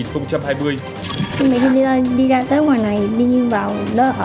khi mình đi ra tới ngoài này đi vào đất